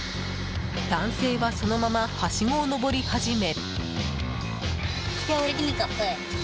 男性はそのままはしごを登り始め。